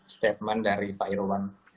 statement dari pak irwan